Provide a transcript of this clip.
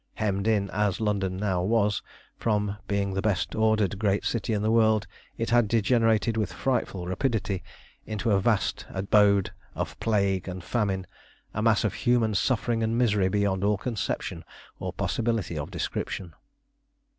Hemmed in as London now was, from being the best ordered great city in the world, it had degenerated with frightful rapidity into a vast abode of plague and famine, a mass of human suffering and misery beyond all conception or possibility of description.